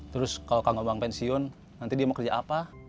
terus kalau kamu bang pensiun nanti dia mau kerja apa